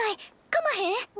かまへん？